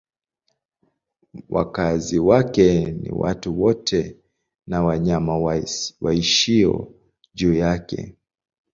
Wakazi wake ni watu wote na wanyama waishio juu yake.